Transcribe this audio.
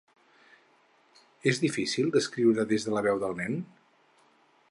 És difícil d’escriure des de la veu del nen?